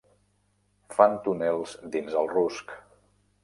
Fan túnels dins el rusc.